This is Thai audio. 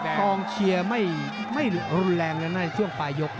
กองเชียร์ไม่รุนแรงเลยนะในช่วงปลายยก